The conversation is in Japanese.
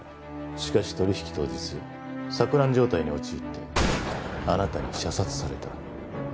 しかし取引当日錯乱状態に陥ってあなたに射殺された。